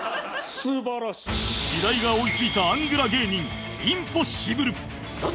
時代が追いついたアングラ芸人インポッシブル